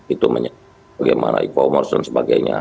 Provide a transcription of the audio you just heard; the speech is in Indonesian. itu bagaimana e commerce dan sebagainya